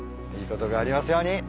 いいことがありますように。